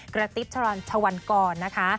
กระติ๊บชวันกรนะคะ